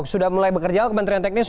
sudah mulai bekerja oh kementerian teknis